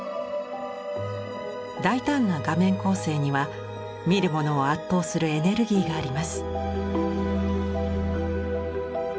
大胆な画面構成には見る者を圧倒するエネルギーがあります。